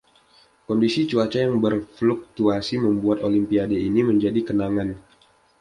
Kondisi cuaca yang berfluktuasi membuat Olimpiade ini menjadi kenangan.